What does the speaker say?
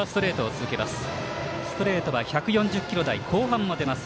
ストレートは１４０キロ台後半も出ます